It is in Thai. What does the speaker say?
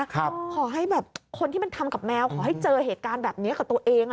ขอให้แบบคนที่มันทำกับแมวขอให้เจอเหตุการณ์แบบนี้กับตัวเองอ่ะ